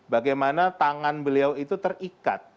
bagaimana tangan beliau itu terikat